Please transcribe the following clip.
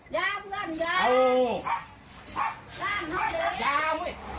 พอแล้วพอแล้ว